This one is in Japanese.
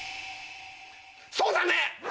そうだね！